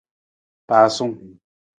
Pasung.